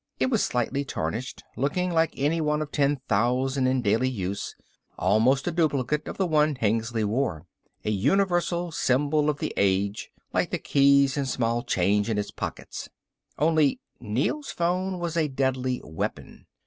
It was slightly tarnished, looking like any one of ten thousand in daily use almost a duplicate of the one Hengly wore. A universal symbol of the age, like the keys and small change in his pockets. Only Neel's phone was a deadly weapon.